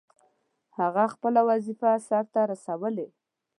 هغه خپله وظیفه سرته رسولې.